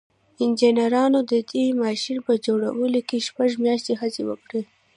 انجنيرانو د دې ماشين په جوړولو کې شپږ مياشتې هڅې وکړې.